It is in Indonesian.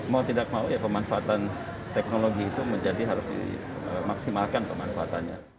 mau tidak mau pemanfaatan teknologi itu harus dimaksimalkan pemanfaatannya